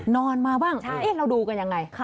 นอนมาบ้างเราดูกันยังไง